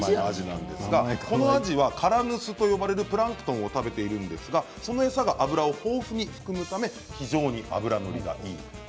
このアジはカラヌスと呼ばれるプランクトンを食べているんですがその餌が脂を豊富に含むため非常に脂乗りがいい。